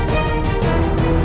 kamu ke mana sih